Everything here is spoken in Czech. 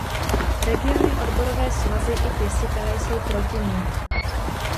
Regiony, odborové svazy i pěstitelé jsou proti nim.